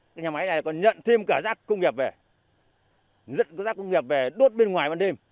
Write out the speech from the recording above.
cái nhà máy này còn nhận thêm cả rác công nghiệp về nhận cái rác công nghiệp về đốt bên ngoài vào đêm